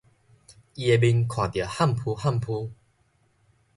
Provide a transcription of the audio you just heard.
伊的面看著譀浡譀浡